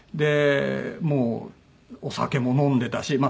もうお酒も飲んでたしま